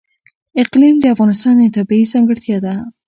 اقلیم د افغانستان یوه طبیعي ځانګړتیا ده.